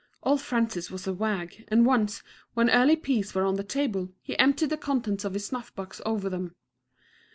Old Francis was a wag; and once, when early peas were on the table, he emptied the contents of his snuff box over them.